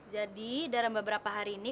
jadi dalam beberapa hari ini